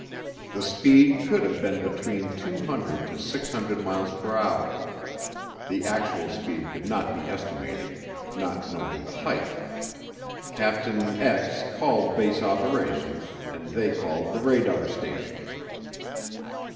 The speed could have been between 200 to 600 mph, the actual speed could not be estimated, not knowing the height. Capt. called base operations and they called the radar station.